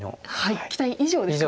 期待以上ですかね